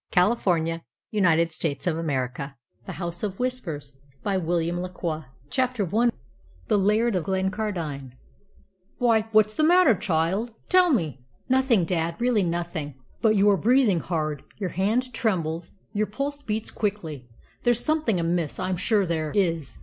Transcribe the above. CHAPTER XXXIX CONTAINS THE CONCLUSION THE HOUSE OF WHISPERS CHAPTER I THE LAIRD OF GLENCARDINE "Why, what's the matter, child? Tell me." "Nothing, dad really nothing." "But you are breathing hard; your hand trembles; your pulse beats quickly. There's something amiss I'm sure there is.